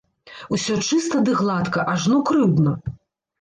Усё чыста ды гладка, ажно крыўдна!